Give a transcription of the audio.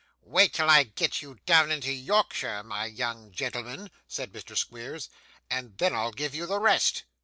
'Wait till I get you down into Yorkshire, my young gentleman,' said Mr Squeers, 'and then I'll give you the rest.